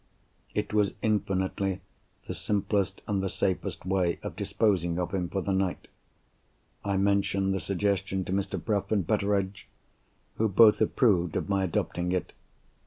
It was infinitely the simplest and the safest way of disposing of him for the night. I mentioned the suggestion to Mr. Bruff and Betteredge—who both approved of my adopting it.